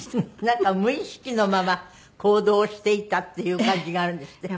なんか無意識のまま行動していたっていう感じがあるんですって？